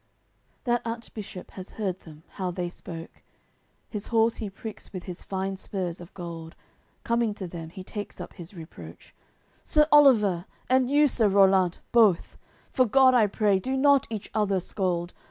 AOI. CXXXII That Archbishop has heard them, how they spoke, His horse he pricks with his fine spurs of gold, Coming to them he takes up his reproach: "Sir Oliver, and you, Sir Rollant, both, For God I pray, do not each other scold!